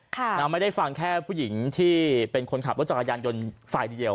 ไม่ได้ฟังแค่ผู้หญิงที่เป็นคนขับรถจักรยานยนต์ฝ่ายเดียว